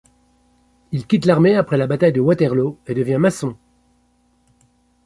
Il quitte l'armée après la bataille de Waterloo et devient maçon.